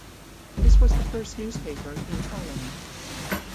This was the first newspaper in Tallinn.